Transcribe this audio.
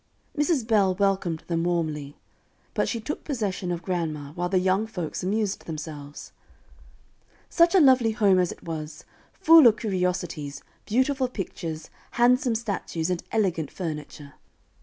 Mrs. Bell welcomed them warmly; but she took possession of grandma, while the young folks amused themselves. Such a lovely home as it was; full of curiosities, beautiful pictures, handsome statues and elegant furniture!